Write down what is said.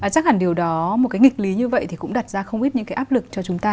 chắc hẳn điều đó một cái nghịch lý như vậy thì cũng đặt ra không ít những cái áp lực cho chúng ta